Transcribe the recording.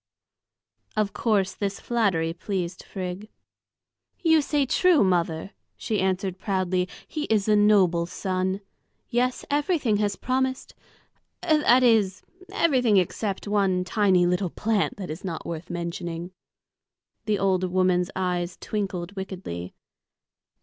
Of course this flattery pleased Frigg. "You say true, mother," she answered proudly, "he is a noble son. Yes, everything has promised, that is, everything except one tiny little plant that is not worth mentioning." The old woman's eyes twinkled wickedly.